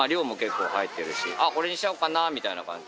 あっこれにしちゃおうかなみたいな感じで。